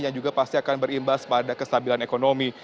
yang juga pasti akan berimbas pada kestabilan ekonomi